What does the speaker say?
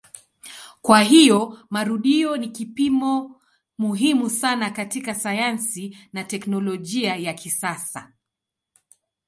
Kwa hiyo marudio ni kipimo muhimu sana katika sayansi na teknolojia ya kisasa.